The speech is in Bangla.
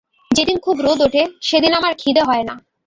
যেদিন খুব রোদ ওঠে, সেদিন আমার খিদে হয় না।